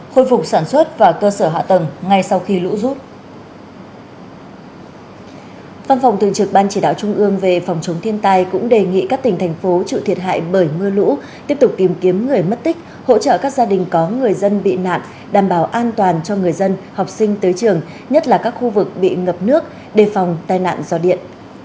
phan phòng thường trực ban chỉ đạo trung ương về phòng chống thiên tai cũng đề nghị các tỉnh thành phố trụ thiệt hại bởi mưa lũ tiếp tục tìm kiếm người mất tích hỗ trợ các gia đình có người dân bị nạn đảm bảo an toàn cho người dân học sinh tới trường nhất là các khu vực bị ngập nước đề phòng tai nạn do điện